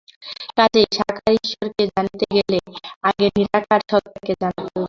কাজেই সাকার ঈশ্বরকে জানিতে গেলে আগে নিরাকার সত্তাকে জানা প্রয়োজন।